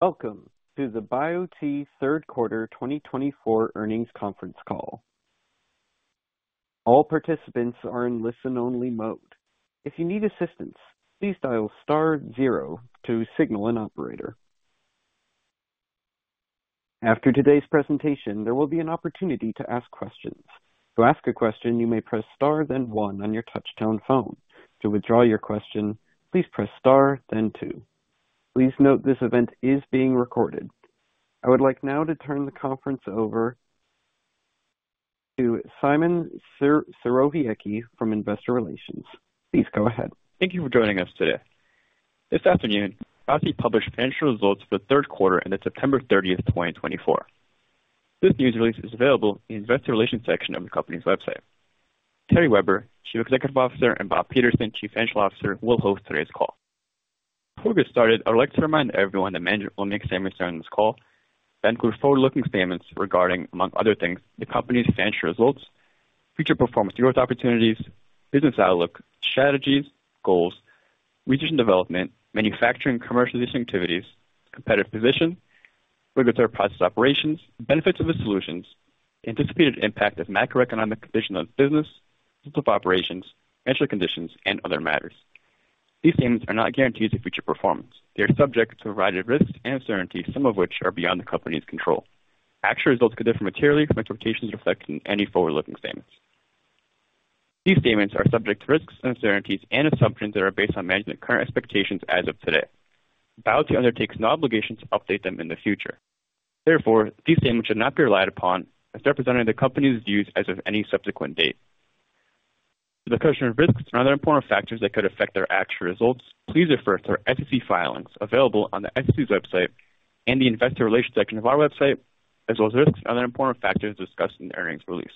Welcome to the Biote third quarter 2024 earnings conference call. All participants are in listen-only mode. If you need assistance, please dial star zero to signal an operator. After today's presentation, there will be an opportunity to ask questions. To ask a question, you may press star, then one on your touch-tone phone. To withdraw your question, please press star, then two. Please note this event is being recorded. I would like now to turn the conference over to Simon Serowiecki from Investor Relations. Please go ahead. Thank you for joining us today. This afternoon, Biote published financial results for the third quarter ended September 30th, 2024. This news release is available in the Investor Relations section of the company's website. Terry Weber, Chief Executive Officer, and Bob Peterson, Chief Financial Officer, will host today's call. Before we get started, I'd like to remind everyone that management will make statements during this call that include forward-looking statements regarding, among other things, the company's financial results, future performance growth opportunities, business outlook, strategies, goals, research and development, manufacturing and commercialization activities, competitive position, regulatory process operations, benefits of the solutions, the anticipated impact of macroeconomic conditions on business, operations, financial conditions, and other matters. These statements are not guarantees of future performance. They are subject to a variety of risks and uncertainties, some of which are beyond the company's control. Actual results could differ materially from expectations reflected in any forward-looking statements. These statements are subject to risks and uncertainties and assumptions that are based on management's current expectations as of today. Biote undertakes no obligations to update them in the future. Therefore, these statements should not be relied upon as they're presenting the company's views as of any subsequent date. For the question of risks and other important factors that could affect their actual results, please refer to our SEC filings available on the SEC's website and the Investor Relations section of our website, as well as risks and other important factors discussed in the earnings release.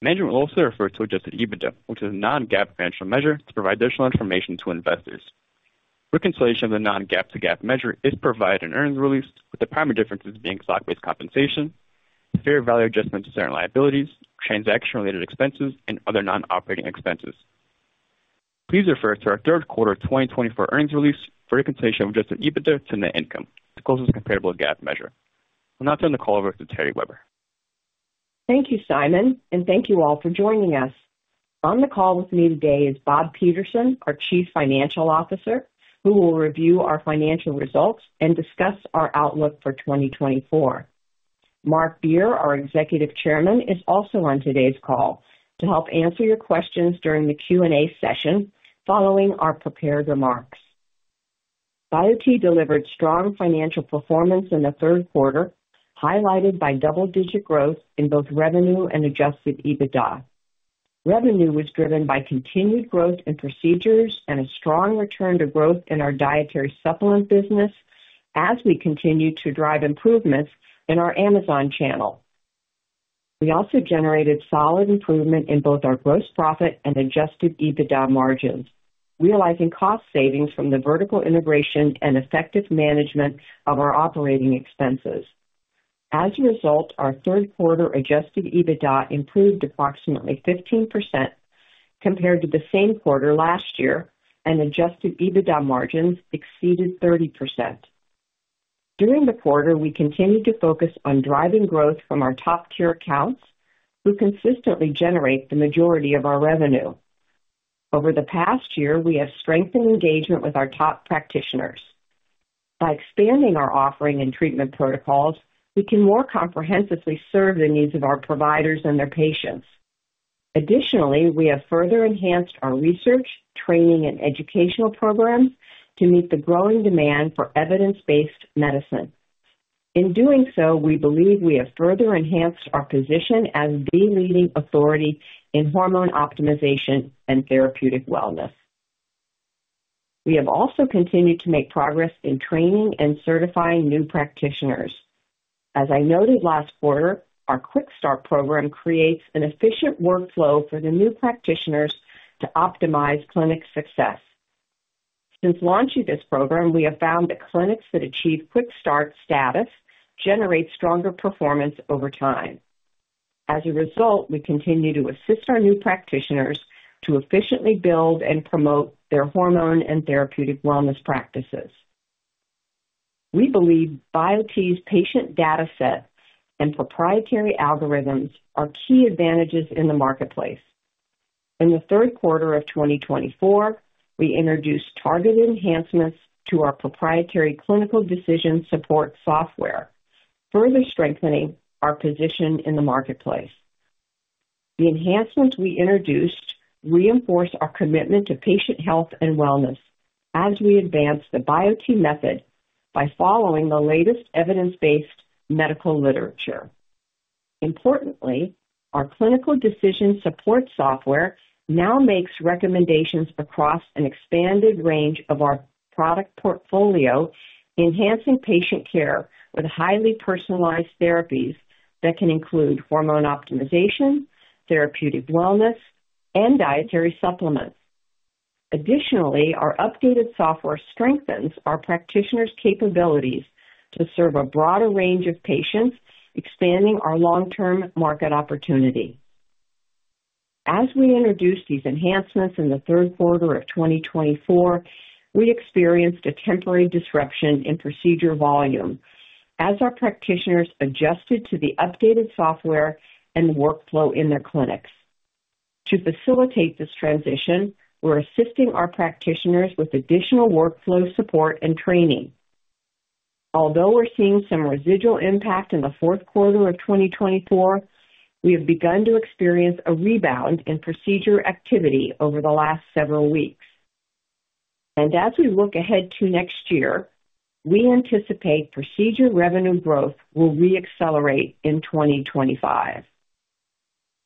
Management will also refer to Adjusted EBITDA, which is a non-GAAP financial measure to provide additional information to investors. Reconciliation of the non-GAAP to GAAP measure is provided in earnings release, with the primary differences being stock-based compensation, fair value adjustment to certain liabilities, transaction-related expenses, and other non-operating expenses. Please refer to our third quarter 2024 earnings release for reconciliation of Adjusted EBITDA to net income. Closest comparable GAAP measure. I'll now turn the call over to Terry Weber. Thank you, Simon, and thank you all for joining us. On the call with me today is Bob Peterson, our Chief Financial Officer, who will review our financial results and discuss our outlook for 2024. Mark Beer, our Executive Chairman, is also on today's call to help answer your questions during the Q&A session following our prepared remarks. Biote delivered strong financial performance in the third quarter, highlighted by double-digit growth in both revenue and adjusted EBITDA. Revenue was driven by continued growth in procedures and a strong return to growth in our dietary supplement business as we continue to drive improvements in our Amazon channel. We also generated solid improvement in both our gross profit and adjusted EBITDA margins, realizing cost savings from the vertical integration and effective management of our operating expenses. As a result, our third quarter Adjusted EBITDA improved approximately 15% compared to the same quarter last year, and Adjusted EBITDA margins exceeded 30%. During the quarter, we continued to focus on driving growth from our top-tier accounts, who consistently generate the majority of our revenue. Over the past year, we have strengthened engagement with our top practitioners. By expanding our offering and treatment protocols, we can more comprehensively serve the needs of our providers and their patients. Additionally, we have further enhanced our research, training, and educational programs to meet the growing demand for evidence-based medicine. In doing so, we believe we have further enhanced our position as the leading authority in hormone optimization and therapeutic wellness. We have also continued to make progress in training and certifying new practitioners. As I noted last quarter, our QuickStart program creates an efficient workflow for the new practitioners to optimize clinic success. Since launching this program, we have found that clinics that achieve QuickStart status generate stronger performance over time. As a result, we continue to assist our new practitioners to efficiently build and promote their hormone and therapeutic wellness practices. We believe Biote's patient data set and proprietary algorithms are key advantages in the marketplace. In the third quarter of 2024, we introduced targeted enhancements to our proprietary clinical decision support software, further strengthening our position in the marketplace. The enhancements we introduced reinforce our commitment to patient health and wellness as we advance the Biote Method by following the latest evidence-based medical literature. Importantly, our clinical decision support software now makes recommendations across an expanded range of our product portfolio, enhancing patient care with highly personalized therapies that can include hormone optimization, therapeutic wellness, and dietary supplements. Additionally, our updated software strengthens our practitioners' capabilities to serve a broader range of patients, expanding our long-term market opportunity. As we introduced these enhancements in the third quarter of 2024, we experienced a temporary disruption in procedure volume as our practitioners adjusted to the updated software and the workflow in their clinics. To facilitate this transition, we're assisting our practitioners with additional workflow support and training. Although we're seeing some residual impact in the fourth quarter of 2024, we have begun to experience a rebound in procedure activity over the last several weeks, and as we look ahead to next year, we anticipate procedure revenue growth will re-accelerate in 2025.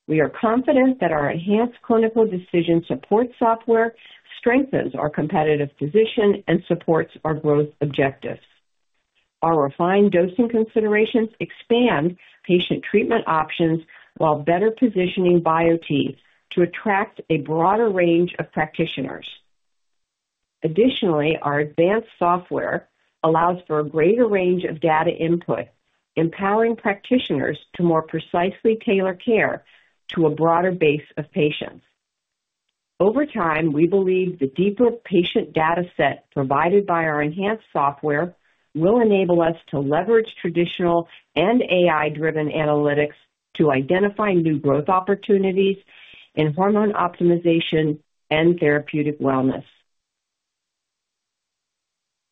We are confident that our enhanced clinical decision support software strengthens our competitive position and supports our growth objectives. Our refined dosing considerations expand patient treatment options while better positioning Biote to attract a broader range of practitioners. Additionally, our advanced software allows for a greater range of data input, empowering practitioners to more precisely tailor care to a broader base of patients. Over time, we believe the deeper patient data set provided by our enhanced software will enable us to leverage traditional and AI-driven analytics to identify new growth opportunities in hormone optimization and therapeutic wellness.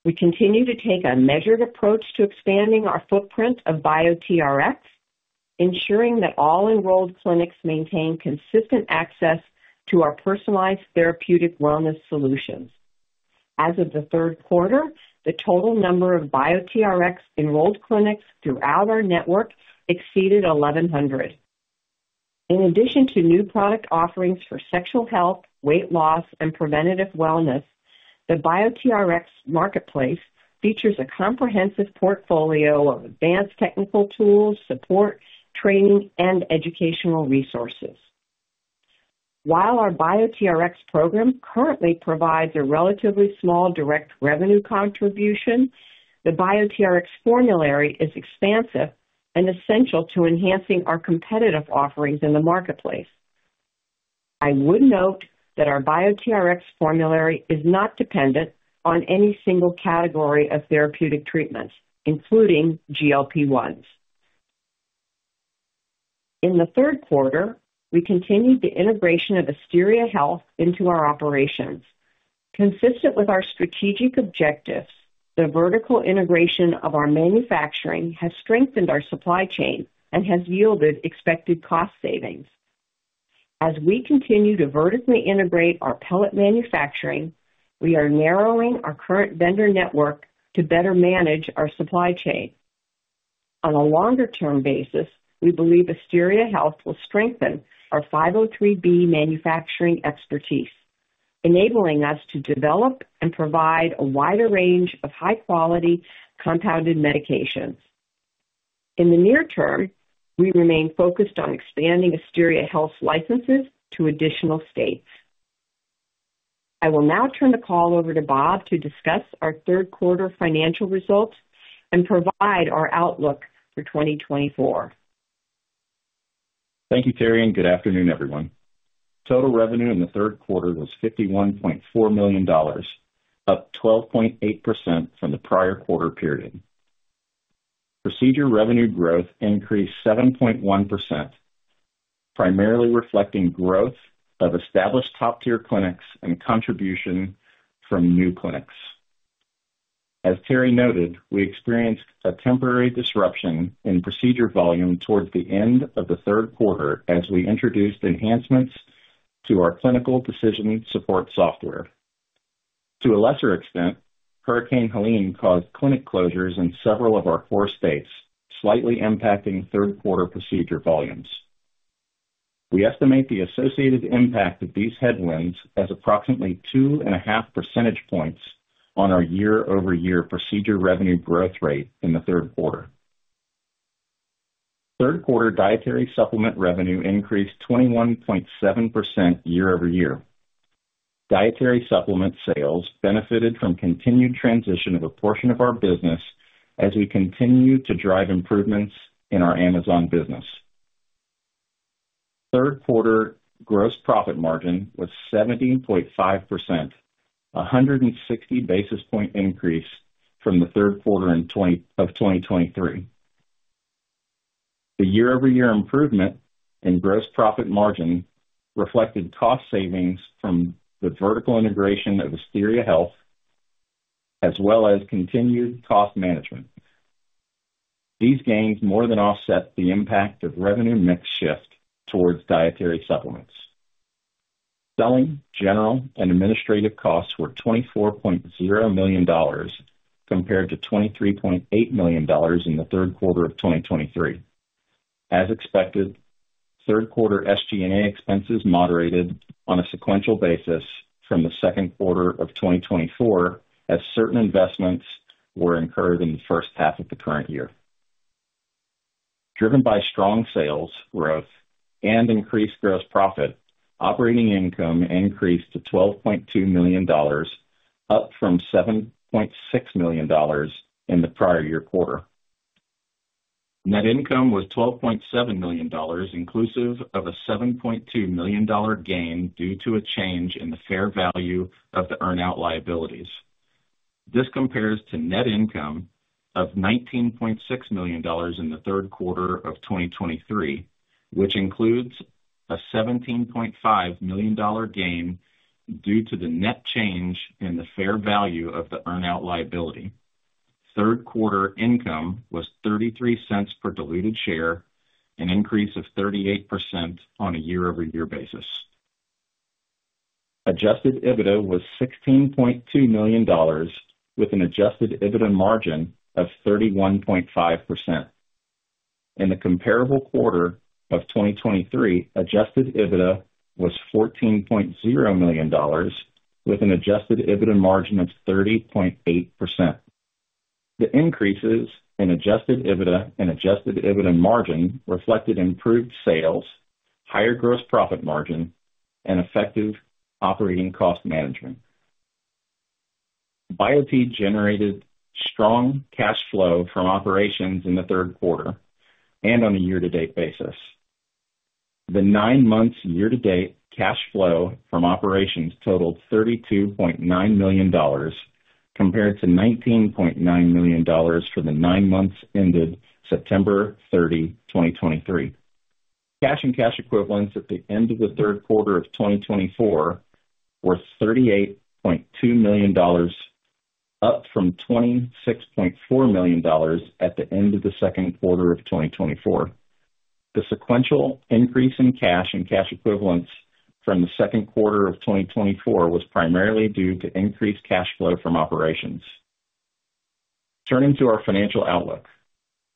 We continue to take a measured approach to expanding our footprint of BioteRx, ensuring that all enrolled clinics maintain consistent access to our personalized therapeutic wellness solutions. As of the third quarter, the total number of BioteRx enrolled clinics throughout our network exceeded 1,100. In addition to new product offerings for sexual health, weight loss, and preventative wellness, the BioteRx marketplace features a comprehensive portfolio of advanced technical tools, support, training, and educational resources. While our BioteRx program currently provides a relatively small direct revenue contribution, the BioteRx formulary is expansive and essential to enhancing our competitive offerings in the marketplace. I would note that our BioteRx formulary is not dependent on any single category of therapeutic treatments, including GLP-1s. In the third quarter, we continued the integration of Asteria Health into our operations. Consistent with our strategic objectives, the vertical integration of our manufacturing has strengthened our supply chain and has yielded expected cost savings. As we continue to vertically integrate our pellet manufacturing, we are narrowing our current vendor network to better manage our supply chain. On a longer-term basis, we believe Asteria Health will strengthen our 503(b) manufacturing expertise, enabling us to develop and provide a wider range of high-quality compounded medications. In the near term, we remain focused on expanding Asteria Health's licenses to additional states. I will now turn the call over to Bob to discuss our third quarter financial results and provide our outlook for 2024. Thank you, Terry. Good afternoon, everyone. Total revenue in the third quarter was $51.4 million, up 12.8% from the prior quarter period. Procedure revenue growth increased 7.1%, primarily reflecting growth of established top-tier clinics and contribution from new clinics. As Terry noted, we experienced a temporary disruption in procedure volume towards the end of the third quarter as we introduced enhancements to our clinical decision support software. To a lesser extent, Hurricane Helene caused clinic closures in several of our core states, slightly impacting third-quarter procedure volumes. We estimate the associated impact of these headwinds as approximately two and a half percentage points on our year-over-year procedure revenue growth rate in the third quarter. Third-quarter dietary supplement revenue increased 21.7% year-over-year. Dietary supplement sales benefited from continued transition of a portion of our business as we continue to drive improvements in our Amazon business. Third-quarter gross profit margin was 17.5%, a 160 basis points increase from the third quarter of 2023. The year-over-year improvement in gross profit margin reflected cost savings from the vertical integration of Asteria Health, as well as continued cost management. These gains more than offset the impact of revenue mix shift towards dietary supplements. Selling, general, and administrative costs were $24.0 million compared to $23.8 million in the third quarter of 2023. As expected, third-quarter SG&A expenses moderated on a sequential basis from the second quarter of 2024 as certain investments were incurred in the first half of the current year. Driven by strong sales growth and increased gross profit, operating income increased to $12.2 million, up from $7.6 million in the prior year quarter. Net income was $12.7 million, inclusive of a $7.2 million gain due to a change in the fair value of the earn-out liabilities. This compares to net income of $19.6 million in the third quarter of 2023, which includes a $17.5 million gain due to the net change in the fair value of the earn-out liability. Third-quarter income was $0.33 per diluted share, an increase of 38% on a year-over-year basis. Adjusted EBITDA was $16.2 million, with an adjusted EBITDA margin of 31.5%. In the comparable quarter of 2023, adjusted EBITDA was $14.0 million, with an adjusted EBITDA margin of 30.8%. The increases in adjusted EBITDA and adjusted EBITDA margin reflected improved sales, higher gross profit margin, and effective operating cost management. Biote generated strong cash flow from operations in the third quarter and on a year-to-date basis. The nine-month year-to-date cash flow from operations totaled $32.9 million compared to $19.9 million for the nine months ended September 30, 2023. Cash and cash equivalents at the end of the third quarter of 2024 were $38.2 million, up from $26.4 million at the end of the second quarter of 2024. The sequential increase in cash and cash equivalents from the second quarter of 2024 was primarily due to increased cash flow from operations. Turning to our financial outlook,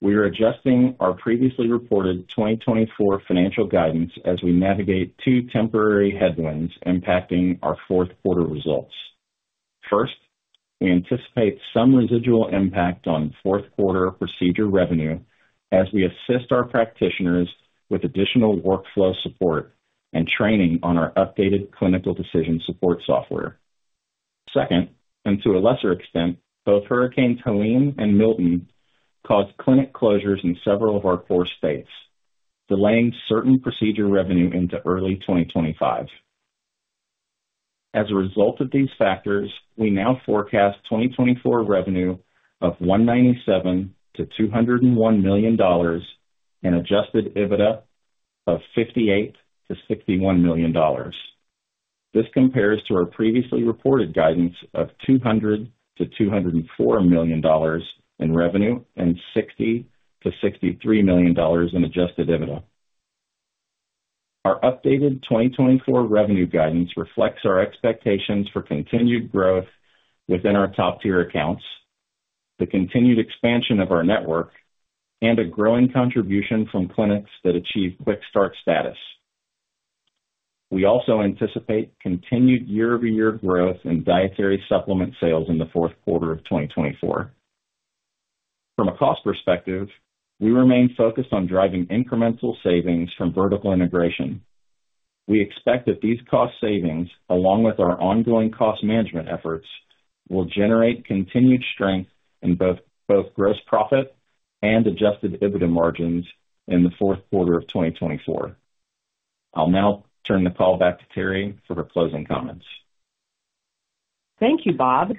we are adjusting our previously reported 2024 financial guidance as we navigate two temporary headwinds impacting our fourth-quarter results. First, we anticipate some residual impact on fourth-quarter procedure revenue as we assist our practitioners with additional workflow support and training on our updated clinical decision support software. Second, and to a lesser extent, both Hurricane Helene and Milton caused clinic closures in several of our cour states, delaying certain procedure revenue into early 2025. As a result of these factors, we now forecast 2024 revenue of $197-$201 million and adjusted EBITDA of $58-$61 million. This compares to our previously reported guidance of $200-$204 million in revenue and $60-$63 million in adjusted EBITDA. Our updated 2024 revenue guidance reflects our expectations for continued growth within our top-tier accounts, the continued expansion of our network, and a growing contribution from clinics that achieve QuickStart status. We also anticipate continued year-over-year growth in dietary supplement sales in the fourth quarter of 2024. From a cost perspective, we remain focused on driving incremental savings from vertical integration. We expect that these cost savings, along with our ongoing cost management efforts, will generate continued strength in both gross profit and adjusted EBITDA margins in the fourth quarter of 2024. I'll now turn the call back to Terry for her closing comments. Thank you, Bob.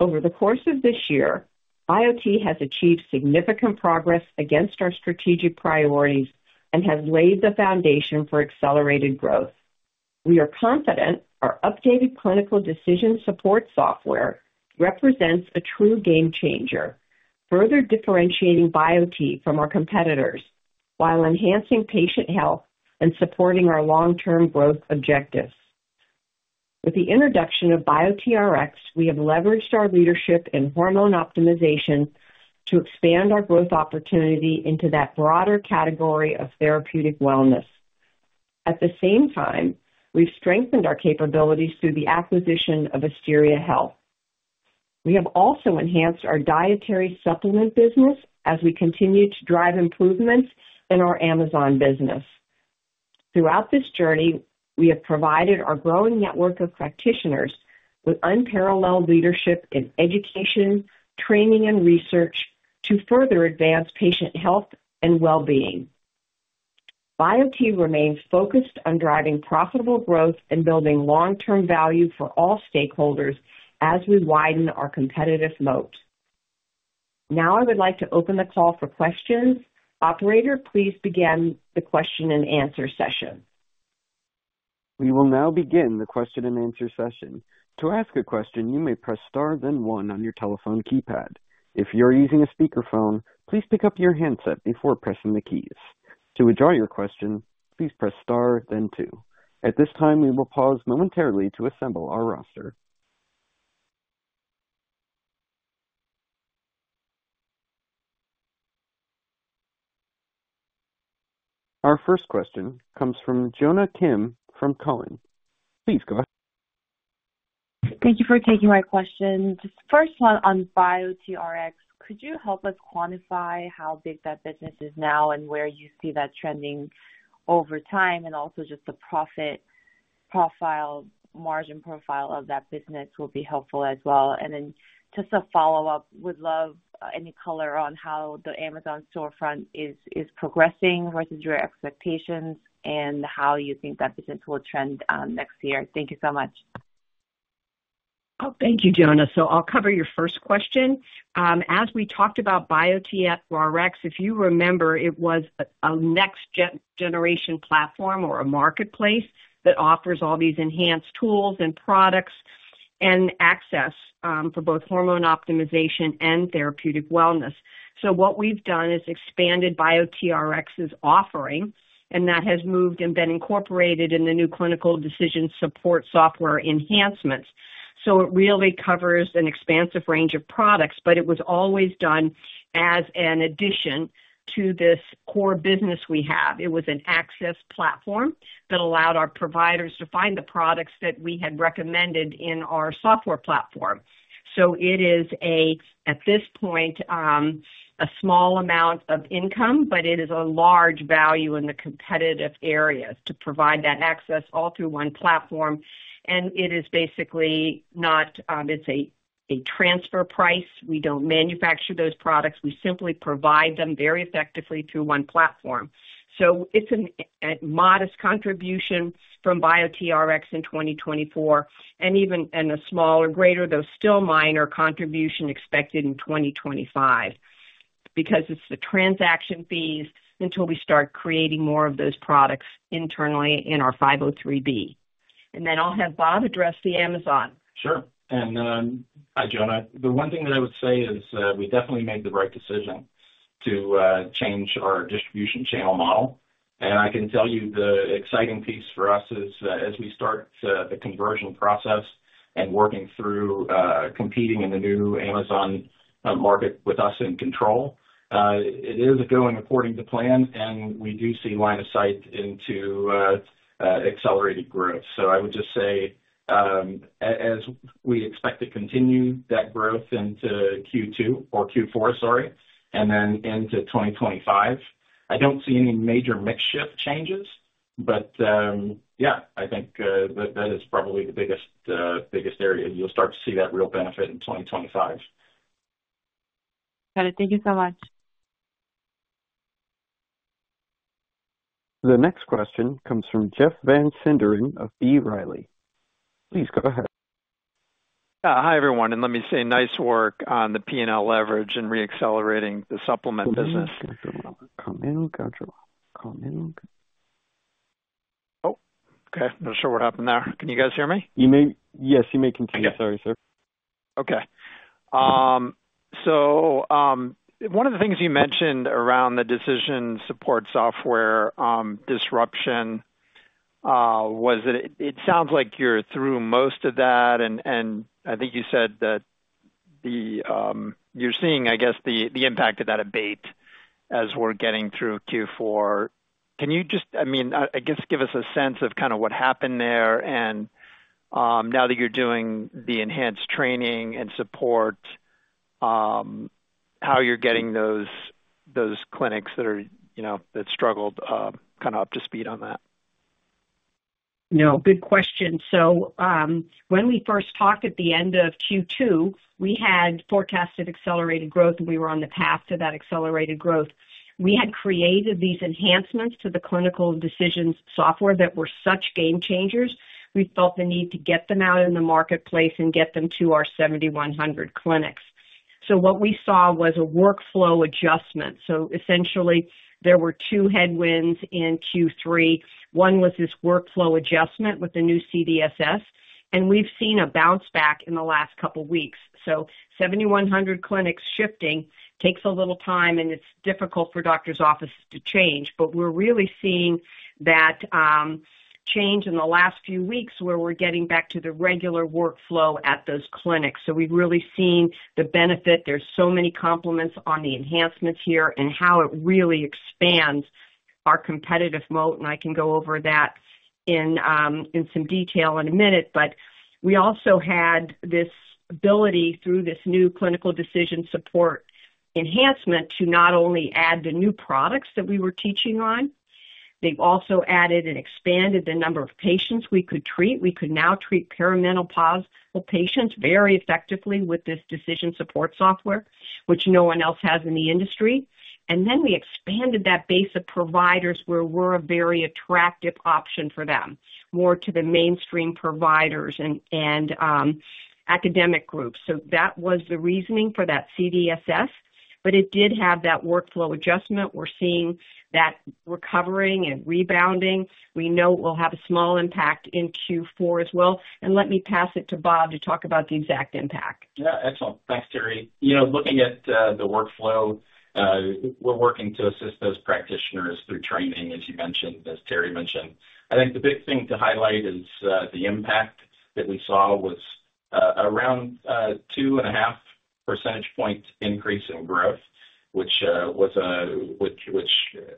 Over the course of this year, Biote has achieved significant progress against our strategic priorities and has laid the foundation for accelerated growth. We are confident our updated clinical decision support software represents a true game changer, further differentiating Biote from our competitors while enhancing patient health and supporting our long-term growth objectives. With the introduction of BioteRX, we have leveraged our leadership in hormone optimization to expand our growth opportunity into that broader category of therapeutic wellness. At the same time, we've strengthened our capabilities through the acquisition of Asteria Health. We have also enhanced our dietary supplement business as we continue to drive improvements in our Amazon business. Throughout this journey, we have provided our growing network of practitioners with unparalleled leadership in education, training, and research to further advance patient health and well-being. Biote remains focused on driving profitable growth and building long-term value for all stakeholders as we widen our competitive moat. Now, I would like to open the call for questions. Operator, please begin the question and answer session. We will now begin the question and answer session. To ask a question, you may press Star, then 1 on your telephone keypad. If you're using a speakerphone, please pick up your handset before pressing the keys. To withdraw your question, please press Star, then 2. At this time, we will pause momentarily to assemble our roster. Our first question comes from Jonah Kim from TD Cowen. Please go ahead. Thank you for taking my question. Just first one on BioteRX, could you help us quantify how big that business is now and where you see that trending over time? And also, just the profit profile, margin profile of that business will be helpful as well. And then, just a follow-up, would love any color on how the Amazon storefront is progressing versus your expectations and how you think that business will trend next year. Thank you so much. Oh, thank you, Jonah. So I'll cover your first question. As we talked about BioteRX, if you remember, it was a next-generation platform or a marketplace that offers all these enhanced tools and products and access for both hormone optimization and therapeutic wellness. So what we've done is expanded BioteRX's offering, and that has moved and been incorporated in the new clinical decision support software enhancements. So it really covers an expansive range of products, but it was always done as an addition to this core business we have. It was an access platform that allowed our providers to find the products that we had recommended in our software platform. So it is, at this point, a small amount of income, but it is a large value in the competitive areas to provide that access all through one platform. And it is basically not. It's a transfer price. We don't manufacture those products. We simply provide them very effectively through one platform. So it's a modest contribution from BioteRX in 2024 and even a smaller, greater, though still minor contribution expected in 2025 because it's the transaction fees until we start creating more of those products internally in our 503(b). And then I'll have Bob address the Amazon. Sure. And hi, Jonah. The one thing that I would say is we definitely made the right decision to change our distribution channel model. And I can tell you the exciting piece for us is, as we start the conversion process and working through competing in the new Amazon market with us in control, it is going according to plan, and we do see line of sight into accelerated growth. So I would just say, as we expect to continue that growth into Q2 or Q4, sorry, and then into 2025, I don't see any major mix shift changes. But yeah, I think that is probably the biggest area. You'll start to see that real benefit in 2025. Got it. Thank you so much. The next question comes from Jeff Van Sinderen of B. Riley. Please go ahead. Yeah. Hi, everyone. And let me say nice work on the P&L leverage and re-accelerating the supplement business. Come in, come in, come in. Oh, okay. Not sure what happened there. Can you guys hear me? Yes, you may continue. Sorry, sir. Okay, so one of the things you mentioned around the decision support software disruption was that it sounds like you're through most of that. And I think you said that you're seeing, I guess, the impact of that abate as we're getting through Q4. Can you just, I mean, I guess, give us a sense of kind of what happened there? And now that you're doing the enhanced training and support, how are you getting those clinics that struggled kind of up to speed on that? No. Good question. So when we first talked at the end of Q2, we had forecasted accelerated growth, and we were on the path to that accelerated growth. We had created these enhancements to the clinical decision software that were such game changers. We felt the need to get them out in the marketplace and get them to our 7,100 clinics. So what we saw was a workflow adjustment. So essentially, there were two headwinds in Q3. One was this workflow adjustment with the new CDSS, and we've seen a bounce back in the last couple of weeks. So 7,100 clinics shifting takes a little time, and it's difficult for doctors' offices to change. But we're really seeing that change in the last few weeks where we're getting back to the regular workflow at those clinics. So we've really seen the benefit. There's so many compliments on the enhancements here and how it really expands our competitive moat, and I can go over that in some detail in a minute, but we also had this ability through this new clinical decision support enhancement to not only add the new products that we were teaching on, they've also added and expanded the number of patients we could treat. We could now treat perimenopausal patients very effectively with this decision support software, which no one else has in the industry, and then we expanded that base of providers where we're a very attractive option for them, more to the mainstream providers and academic groups, so that was the reasoning for that CDSS, but it did have that workflow adjustment. We're seeing that recovering and rebounding. We know it will have a small impact in Q4 as well. And let me pass it to Bob to talk about the exact impact. Yeah. Excellent. Thanks, Terry. Looking at the workflow, we're working to assist those practitioners through training, as you mentioned, as Terry mentioned. I think the big thing to highlight is the impact that we saw was around a 2.5 percentage point increase in growth, which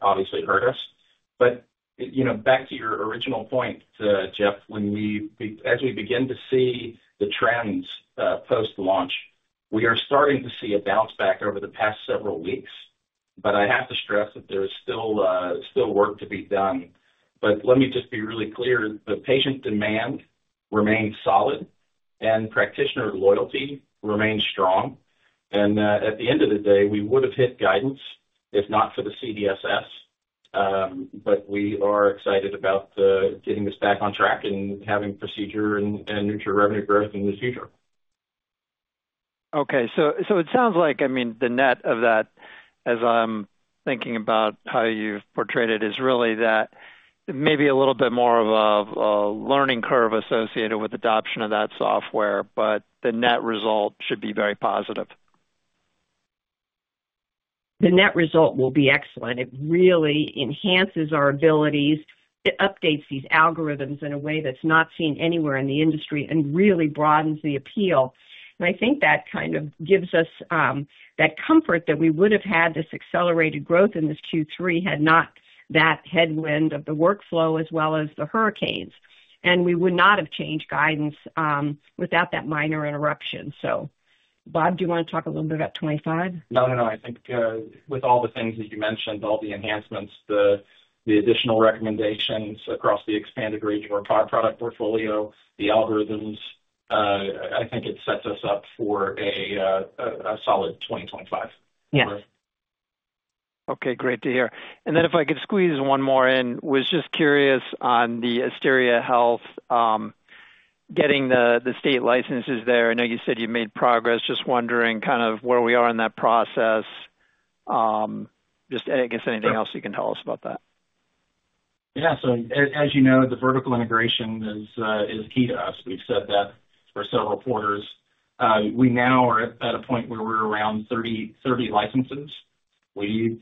obviously hurt us. But back to your original point, Jeff, as we begin to see the trends post-launch, we are starting to see a bounce back over the past several weeks. But I have to stress that there is still work to be done. But let me just be really clear. The patient demand remains solid, and practitioner loyalty remains strong. And at the end of the day, we would have hit guidance if not for the CDSS. But we are excited about getting this back on track and having procedure and nutraceutical revenue growth in the future. Okay, so it sounds like, I mean, the net of that, as I'm thinking about how you've portrayed it, is really that maybe a little bit more of a learning curve associated with adoption of that software, but the net result should be very positive. The net result will be excellent. It really enhances our abilities. It updates these algorithms in a way that's not seen anywhere in the industry and really broadens the appeal. And I think that kind of gives us that comfort that we would have had this accelerated growth in this Q3 had not that headwind of the workflow as well as the hurricanes. And we would not have changed guidance without that minor interruption. So Bob, do you want to talk a little bit about 2025? No, no, no. I think with all the things that you mentioned, all the enhancements, the additional recommendations across the expanded range of our product portfolio, the algorithms, I think it sets us up for a solid 2025. Yes. Okay. Great to hear. And then, if I could squeeze one more in, was just curious on the Asteria Health getting the state licenses there. I know you said you made progress. Just wondering kind of where we are in that process. Just, I guess, anything else you can tell us about that? Yeah. So as you know, the vertical integration is key to us. We've said that for several quarters. We now are at a point where we're around 30 licenses. We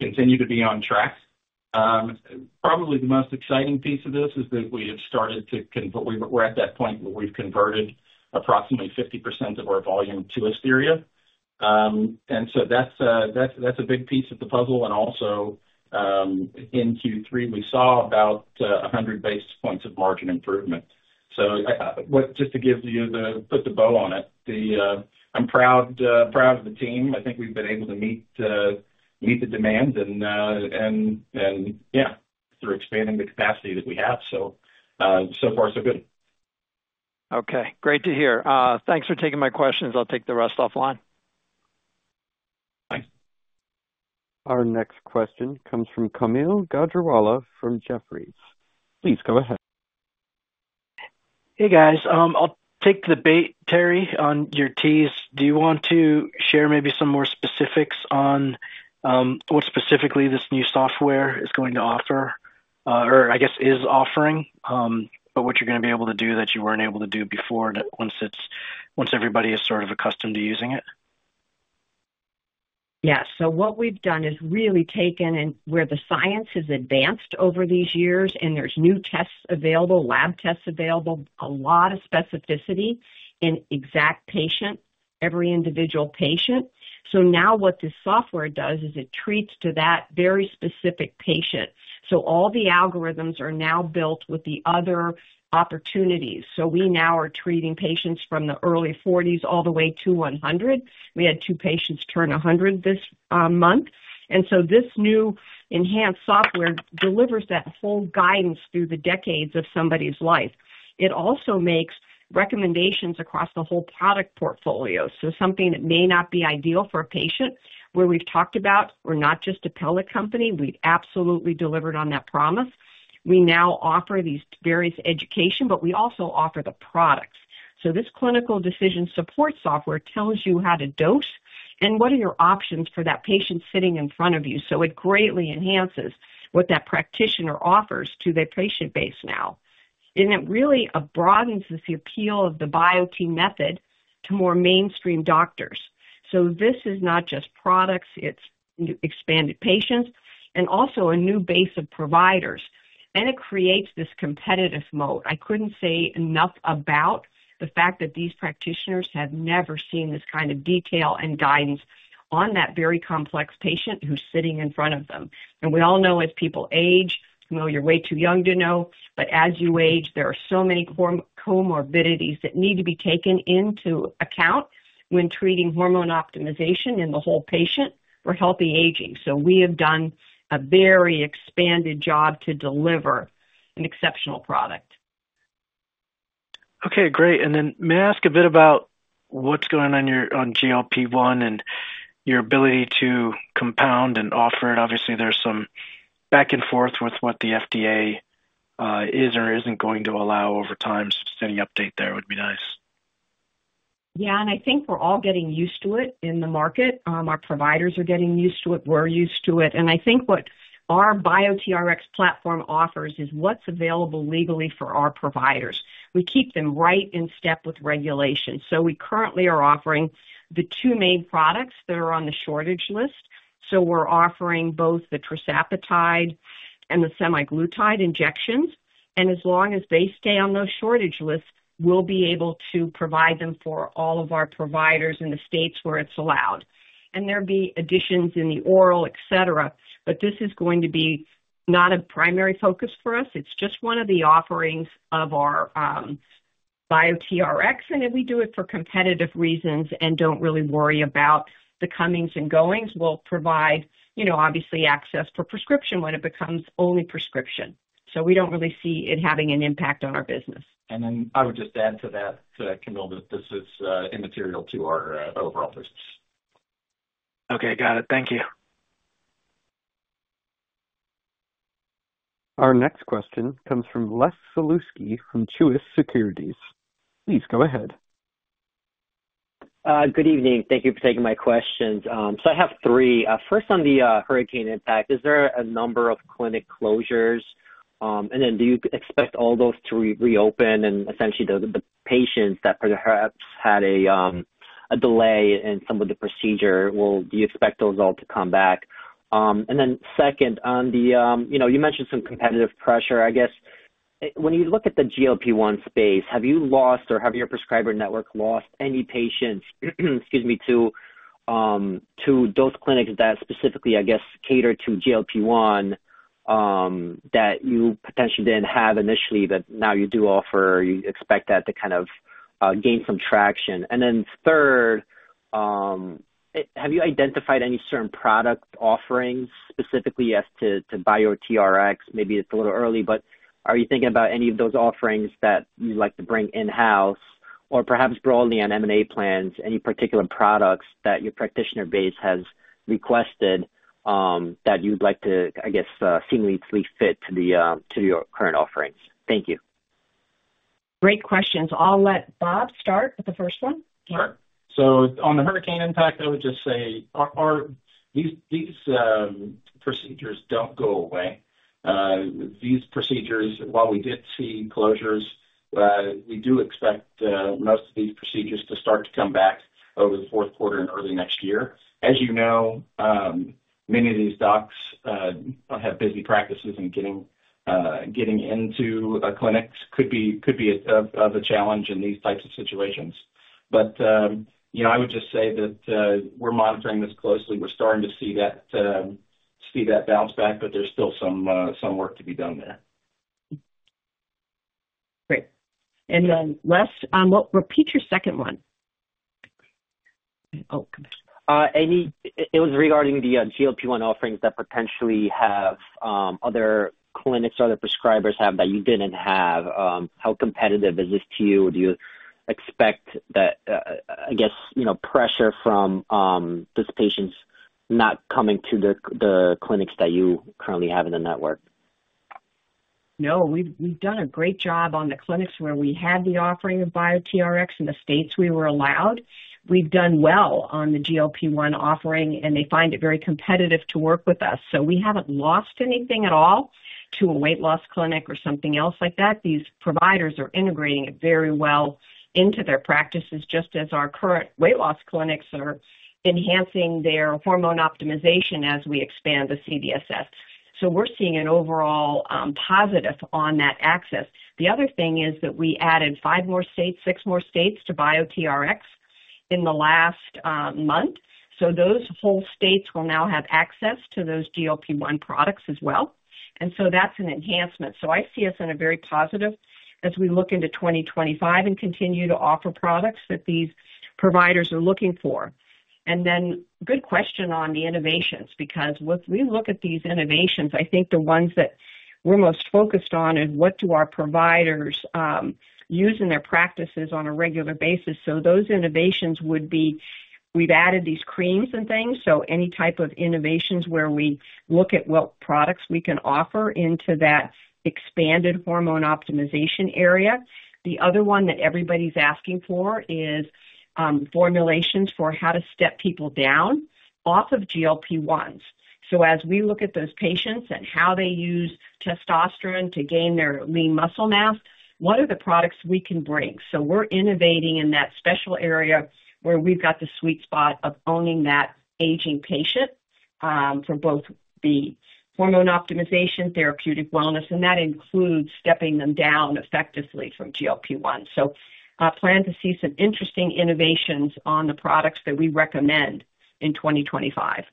continue to be on track. Probably the most exciting piece of this is that we have started to—we're at that point where we've converted approximately 50% of our volume to Asteria. And so that's a big piece of the puzzle. And also, in Q3, we saw about 100 basis points of margin improvement. So just to give you the—put the bow on it. I'm proud of the team. I think we've been able to meet the demand. And yeah. Through expanding the capacity that we have. So far, so good. Okay. Great to hear. Thanks for taking my questions. I'll take the rest offline. Bye. Our next question comes from Kaumil Gajrawala from Jefferies. Please go ahead. Hey, guys. I'll take the bait, Terry, on your tease. Do you want to share maybe some more specifics on what specifically this new software is going to offer or, I guess, is offering, but what you're going to be able to do that you weren't able to do before once everybody is sort of accustomed to using it? Yes. So what we've done is really taken, and where the science has advanced over these years, and there's new tests available, lab tests available, a lot of specificity in exact patient, every individual patient. So now what this software does is it treats to that very specific patient. So all the algorithms are now built with the other opportunities. So we now are treating patients from the early 40s all the way to 100. We had two patients turn 100 this month. And so this new enhanced software delivers that whole guidance through the decades of somebody's life. It also makes recommendations across the whole product portfolio. So something that may not be ideal for a patient, where we've talked about we're not just a pellet company. We've absolutely delivered on that promise. We now offer these various education, but we also offer the products. This clinical decision support software tells you how to dose and what are your options for that patient sitting in front of you. So it greatly enhances what that practitioner offers to their patient base now. And it really broadens the appeal of the BioTE Method to more mainstream doctors. So this is not just products. It's expanded patients and also a new base of providers. And it creates this competitive moat. I couldn't say enough about the fact that these practitioners have never seen this kind of detail and guidance on that very complex patient who's sitting in front of them. And we all know as people age, you're way too young to know, but as you age, there are so many comorbidities that need to be taken into account when treating hormone optimization in the whole patient for healthy aging. We have done a very expanded job to deliver an exceptional product. Okay. Great. And then may I ask a bit about what's going on on GLP-1 and your ability to compound and offer it? Obviously, there's some back and forth with what the FDA is or isn't going to allow over time. So sending an update there would be nice. Yeah. And I think we're all getting used to it in the market. Our providers are getting used to it. We're used to it. And I think what our BioteRX platform offers is what's available legally for our providers. We keep them right in step with regulation. So we currently are offering the two main products that are on the shortage list. So we're offering both the tirzepatide and the semaglutide injections. And as long as they stay on those shortage lists, we'll be able to provide them for all of our providers in the states where it's allowed. And there will be additions in the oral, etc. But this is going to be not a primary focus for us. It's just one of the offerings of our BioteRX. And we do it for competitive reasons and don't really worry about the comings and goings. We'll provide, obviously, access for prescription when it becomes only prescription. So we don't really see it having an impact on our business. And then I would just add to that, Kaumil, that this is immaterial to our overall business. Okay. Got it. Thank you. Our next question comes from Les Sulewski from Truist Securities. Please go ahead. Good evening. Thank you for taking my questions. So I have three. First, on the hurricane impact, is there a number of clinic closures? And then do you expect all those to reopen? And essentially, the patients that perhaps had a delay in some of the procedure, do you expect those all to come back? And then second, on the - you mentioned some competitive pressure. I guess when you look at the GLP-1 space, have you lost or have your prescriber network lost any patients - excuse me - to those clinics that specifically, I guess, cater to GLP-1 that you potentially didn't have initially that now you do offer? You expect that to kind of gain some traction? And then third, have you identified any certain product offerings specifically as to BioteRX? Maybe it's a little early, but are you thinking about any of those offerings that you'd like to bring in-house or perhaps broadly on M&A plans? Any particular products that your practitioner base has requested that you'd like to, I guess, seamlessly fit to your current offerings? Thank you. Great questions. I'll let Bob start with the first one. Sure. So on the hurricane impact, I would just say these procedures don't go away. These procedures, while we did see closures, we do expect most of these procedures to start to come back over the fourth quarter and early next year. As you know, many of these docs have busy practices and getting into clinics could be of a challenge in these types of situations. But I would just say that we're monitoring this closely. We're starting to see that bounce back, but there's still some work to be done there. Great. And then last, well, repeat your second one. Oh, go ahead. It was regarding the GLP-1 offerings that potentially other clinics or other prescribers have that you didn't have. How competitive is this to you? Do you expect that, I guess, pressure from these patients not coming to the clinics that you currently have in the network? No. We've done a great job on the clinics where we had the offering of BioteRX in the states we were allowed. We've done well on the GLP-1 offering, and they find it very competitive to work with us. So we haven't lost anything at all to a weight loss clinic or something else like that. These providers are integrating it very well into their practices, just as our current weight loss clinics are enhancing their hormone optimization as we expand the CDSS. So we're seeing an overall positive on that access. The other thing is that we added five more states, six more states to BioteRX in the last month. So those whole states will now have access to those GLP-1 products as well. And so that's an enhancement. So, I see us in a very positive as we look into 2025 and continue to offer products that these providers are looking for. And then, good question on the innovations, because if we look at these innovations, I think the ones that we're most focused on is what do our providers use in their practices on a regular basis. So those innovations would be, we've added these creams and things. So any type of innovations where we look at what products we can offer into that expanded hormone optimization area. The other one that everybody's asking for is formulations for how to step people down off of GLP-1s. So as we look at those patients and how they use testosterone to gain their lean muscle mass, what are the products we can bring? We're innovating in that special area where we've got the sweet spot of owning that aging patient for both the hormone optimization, therapeutic wellness, and that includes stepping them down effectively from GLP-1. I plan to see some interesting innovations on the products that we recommend in 2025.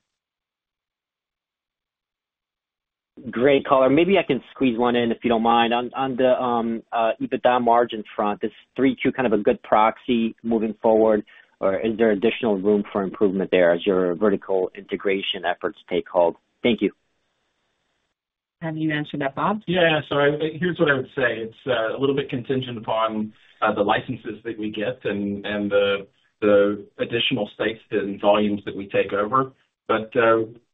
Great, Colin. Maybe I can squeeze one in, if you don't mind. On the EBITDA margin front, is 3Q kind of a good proxy moving forward, or is there additional room for improvement there as your vertical integration efforts take hold? Thank you. Have you answered that, Bob? Here's what I would say. It's a little bit contingent upon the licenses that we get and the additional states and volumes that we take over. But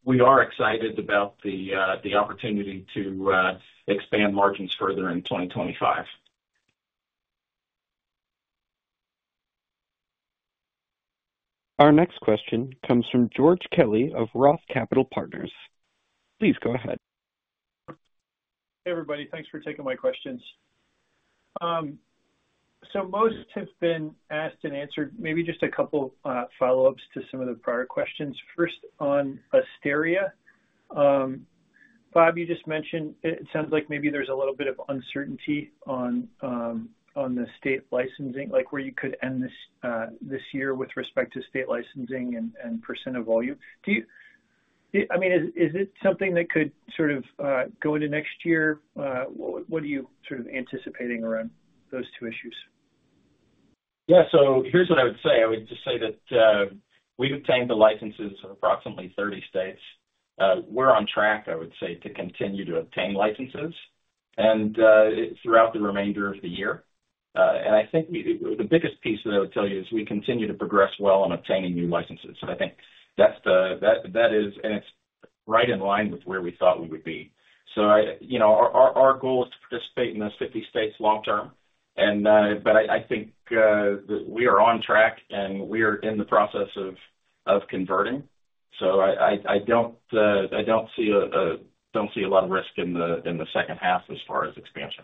we are excited about the opportunity to expand margins further in 2025. Our next question comes from George Kelly of Roth Capital Partners. Please go ahead. Hey, everybody. Thanks for taking my questions. So most have been asked and answered. Maybe just a couple of follow-ups to some of the prior questions. First, on Asteria, Bob, you just mentioned it sounds like maybe there's a little bit of uncertainty on the state licensing, where you could end this year with respect to state licensing and percent of volume. I mean, is it something that could sort of go into next year? What are you sort of anticipating around those two issues? Yeah. So here's what I would say. I would just say that we've obtained the licenses of approximately 30 states. We're on track, I would say, to continue to obtain licenses throughout the remainder of the year, and I think the biggest piece that I would tell you is we continue to progress well on obtaining new licenses. I think that is, and it's right in line with where we thought we would be, so our goal is to participate in those 50 states long-term, but I think that we are on track, and we are in the process of converting, so I don't see a lot of risk in the second half as far as expansion.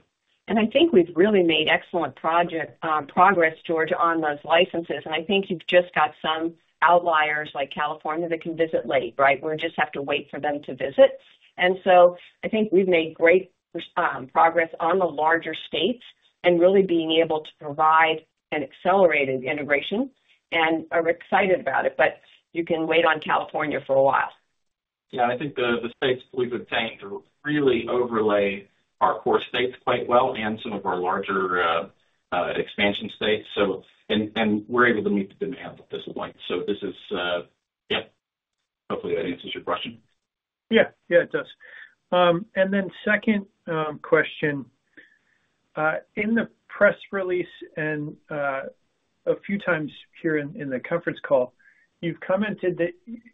And I think we've really made excellent progress, George, on those licenses. And I think you've just got some outliers like California that can visit late, right? We just have to wait for them to visit. And so I think we've made great progress on the larger states and really being able to provide an accelerated integration. And we're excited about it, but you can wait on California for a while. Yeah. I think the states we've obtained really overlay our core states quite well and some of our larger expansion states, and we're able to meet the demand at this point, so this is, yeah, hopefully, that answers your question. Yeah. Yeah, it does. And then, second question. In the press release and a few times here in the conference call, you've commented that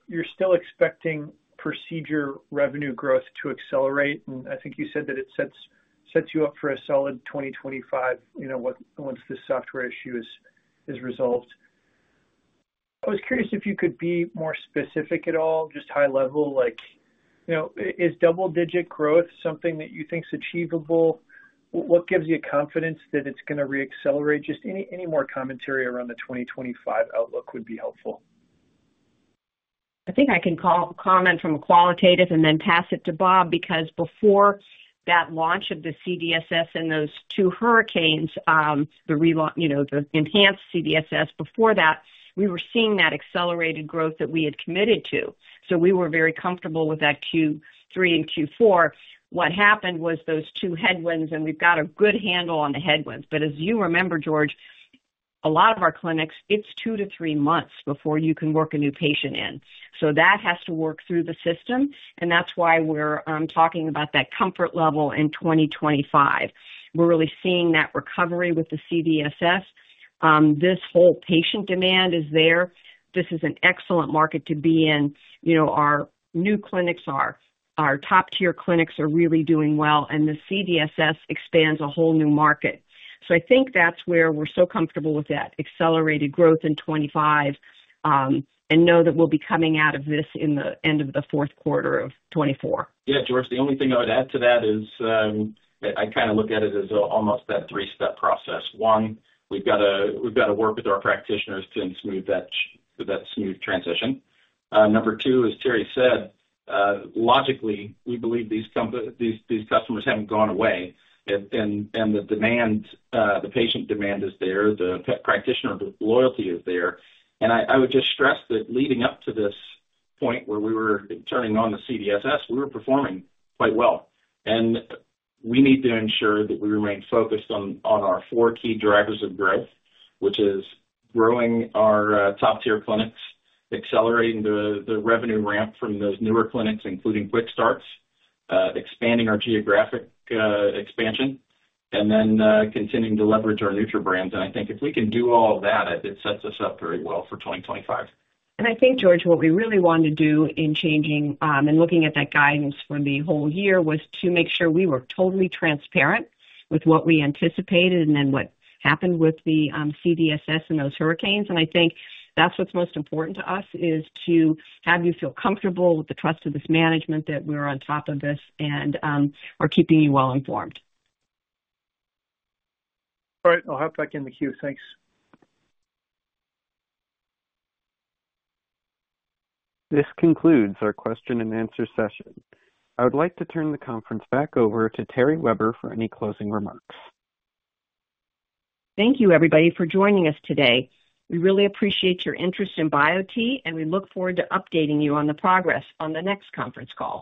you're still expecting procedure revenue growth to accelerate. And I think you said that it sets you up for a solid 2025 once this software issue is resolved. I was curious if you could be more specific at all, just high level. Is double-digit growth something that you think is achievable? What gives you confidence that it's going to reaccelerate? Just any more commentary around the 2025 outlook would be helpful. I think I can comment from a qualitative and then pass it to Bob because before that launch of the CDSS and those two hurricanes, the enhanced CDSS, before that, we were seeing that accelerated growth that we had committed to. So we were very comfortable with that Q3 and Q4. What happened was those two headwinds, and we've got a good handle on the headwinds. But as you remember, George, a lot of our clinics, it's two to three months before you can work a new patient in. So that has to work through the system. And that's why we're talking about that comfort level in 2025. We're really seeing that recovery with the CDSS. This whole patient demand is there. This is an excellent market to be in. Our new clinics, our top-tier clinics are really doing well. And the CDSS expands a whole new market. I think that's where we're so comfortable with that accelerated growth in 2025 and know that we'll be coming out of this in the end of the fourth quarter of 2024. Yeah, George, the only thing I would add to that is I kind of look at it as almost that three-step process. One, we've got to work with our practitioners to smooth that transition. Number two, as Terry said, logically, we believe these customers haven't gone away. And the demand, the patient demand is there. The practitioner loyalty is there. And I would just stress that leading up to this point where we were turning on the CDSS, we were performing quite well. And we need to ensure that we remain focused on our four key drivers of growth, which is growing our top-tier clinics, accelerating the revenue ramp from those newer clinics, including QuickStarts, expanding our geographic expansion, and then continuing to leverage our neutral brands. And I think if we can do all of that, it sets us up very well for 2025. I think, George, what we really wanted to do in changing and looking at that guidance for the whole year was to make sure we were totally transparent with what we anticipated and then what happened with the CDSS and those hurricanes. I think that's what's most important to us is to have you feel comfortable with the trust of this management that we're on top of this and are keeping you well informed. All right. I'll hop back in the queue. Thanks. This concludes our question and answer session. I would like to turn the conference back over to Terry Weber for any closing remarks. Thank you, everybody, for joining us today. We really appreciate your interest in Biote, and we look forward to updating you on the progress on the next conference call.